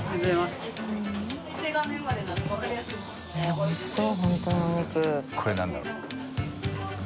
おいしそう。